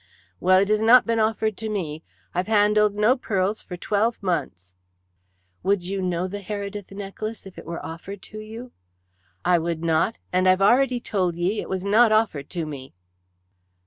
"Well, it has not been offered to me. I've handled no pearls for twelve months." "Would you know the Heredith necklace if it were offered to you?" "I would not, and I've already told ye it was not offered to me."